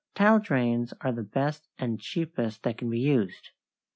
= Tile drains are the best and cheapest that can be used.